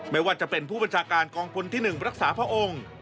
ไม่ว่าจะเป็นผู้บัญชาการกองพลที่๑รักษาพระองค์